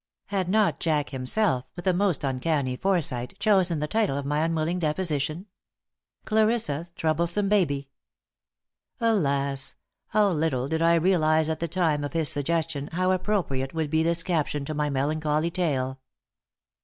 Had not Jack himself, with a most uncanny foresight, chosen the title of my unwilling deposition? "Clarissa's Troublesome Baby!" Alas, how little did I realize at the time of his suggestion how appropriate would be this caption to my melancholy tale!